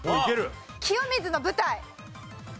清水の舞台。